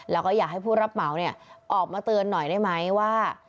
แล้วก็อยากให้ผู้รับเหมาออกมาเตือนหน่อยได้ไหมว่า